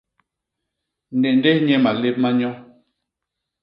Néndés nye malép ma nyo.